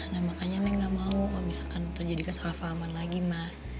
nah makanya neng gak mau kalau misalkan terjadikan salah pahaman lagi ma